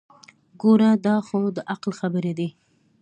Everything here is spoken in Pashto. ګوره دا خو دعقل خبرې دي.